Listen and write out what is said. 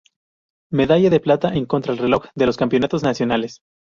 Medalla de plata en la contra reloj de los campeonatos nacionales.